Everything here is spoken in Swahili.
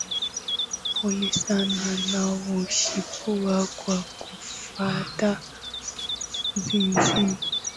pole sana na huchipua kwa kufuata mizizi